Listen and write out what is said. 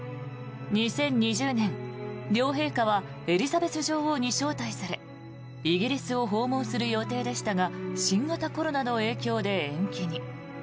２０２０年、両陛下はエリザベス女王に招待されイギリスを訪問する予定でしたが新型コロナの影響で延期に。